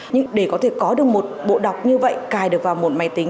nhưng để có thể có được một bộ đọc như vậy cài được vào một máy tính